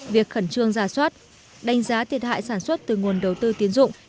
việc khẩn trương ra soát đánh giá thiệt hại sản xuất từ nguồn đầu tư tiến dụng